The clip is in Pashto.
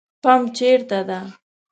پمپ چیرته ده؟